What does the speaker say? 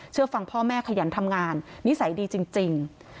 ฟังพ่อแม่ขยันทำงานนิสัยดีจริง